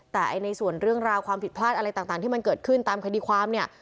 แต่ในส่วนเรื่องราวความผิดพลาดอะไรต่างที่มันเกิดขึ้นตามคดีความเนี่ย